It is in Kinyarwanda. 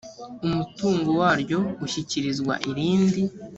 umutungo waryo ushyikirizwa irindi